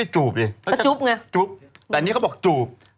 จูบแต่อันนี้เขาบอกจูบ